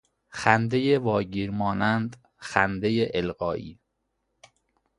خندهی واگیر مانند، خندهی القایی